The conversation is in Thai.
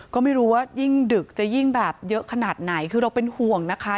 ก็ไม่รู้ว่ายิ่งดึกจะยิ่งแบบเยอะขนาดไหนคือเราเป็นห่วงนะคะ